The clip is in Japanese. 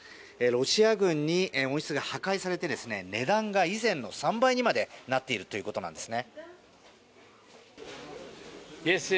ロシア軍に温室が破壊されて値段が以前の３倍にまでなっているということです。